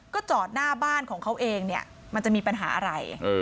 ก็จอดหน้าบ้านของเขาเองเนี่ยมันจะมีปัญหาอะไร